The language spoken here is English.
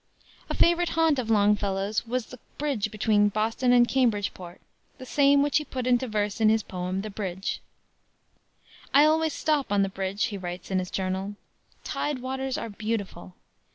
A favorite haunt of Longfellow's was the bridge between Boston and Cambridgeport, the same which he put into verse in his poem, the Bridge. "I always stop on the bridge," he writes in his journal; "tide waters are beautiful.